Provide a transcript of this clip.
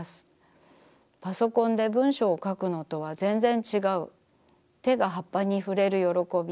パソコンで文章を書くのとはぜんぜんちがう手が葉っぱに触れるよろこび。